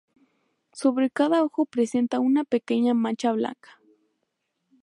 Sobre cada ojo presenta una pequeña mancha blanca.